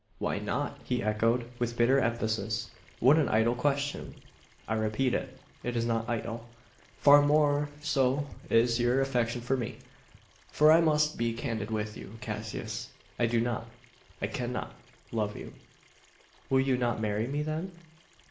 "Why not?" he echoed, with bitter emphasis. "What an idle question!" "I repeat it. It is not idle. Far more so is your affection for me: for I must be candid with you, Cassius. I do not I cannot, love you." "You will not marry me then?"